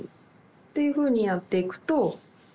っていうふうにやっていくと。